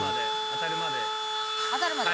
当たるまで？